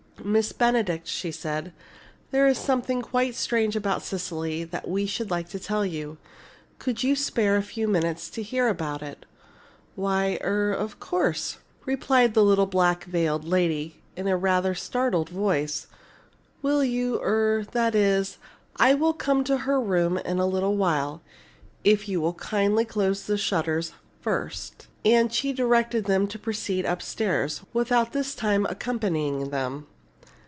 "Miss Benedict," she said, "there is something quite strange about Cecily that we should like to tell you. Could you spare a few moments to hear about it?" "Why er of course!" replied the little black veiled lady, in a rather startled voice. "Will you er that is, I will come to her room in a little while if you will kindly close the shutters first!" And she directed them to proceed upstairs, without this time accompanying them.